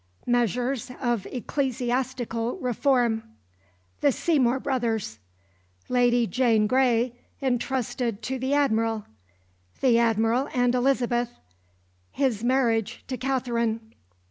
Measures of ecclesiastical reform The Seymour brothers Lady Jane Grey entrusted to the Admiral The Admiral and Elizabeth His marriage to Katherine.